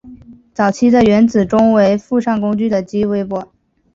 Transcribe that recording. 早期的原子钟为附上工具的激微波。